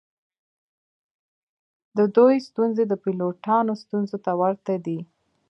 د دوی ستونزې د پیلوټانو ستونزو ته ورته دي